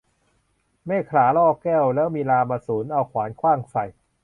เมขลาล่อแก้ว แล้วมีรามสูรเอาขวานขว้างใส่